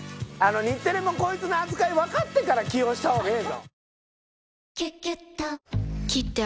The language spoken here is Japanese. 日テレもこいつの扱い分かってから起用した方がええど。